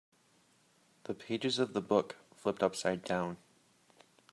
The pages of the book flipped upside down.